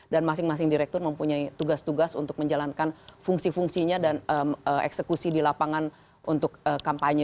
masing masing direktur mempunyai tugas tugas untuk menjalankan fungsi fungsinya dan eksekusi di lapangan untuk kampanye